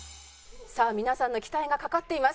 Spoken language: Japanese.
さあ皆さんの期待がかかっています。